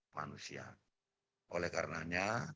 manusia oleh karenanya